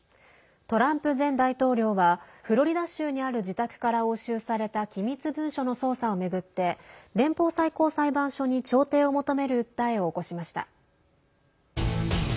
トランプ前大統領はフロリダ州にある自宅から押収された機密文書の捜査を巡って連邦最高裁判所に調停を求める訴えを起こしました。